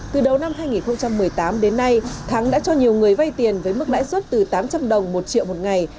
từ đầu năm hai nghìn một mươi tám đến nay thắng đã cho nhiều người vay tiền với mức lãi suất từ tám trăm linh đồng một triệu một ngày